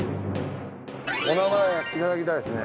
お名前いただきたいですね。